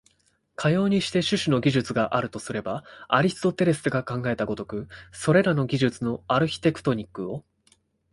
かようにして種々の技術があるとすれば、アリストテレスが考えた如く、それらの技術のアルヒテクトニックを、